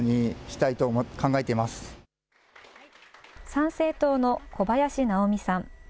参政党の小林直美さん。